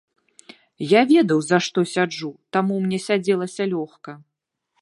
Я ведаў за што сяджу, таму мне сядзелася лёгка.